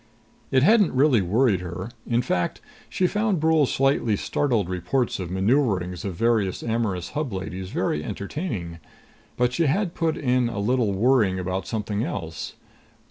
It hadn't really worried her. In fact, she found Brule's slightly startled reports of maneuverings of various amorous Hub ladies very entertaining. But she had put in a little worrying about something else.